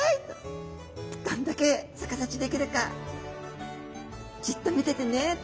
「どんだけ逆立ちできるかじっと見ててね」と。